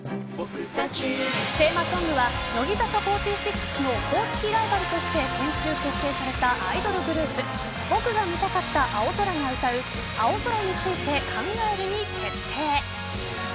テーマソングは、乃木坂４６の公式ライバルとして先週結成されたアイドルグループ僕が見たかった青空が歌う青空について考えるに決定。